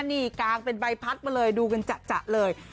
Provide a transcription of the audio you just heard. นี่กางเป็นใบพัดมาเลยดูกันจะเลย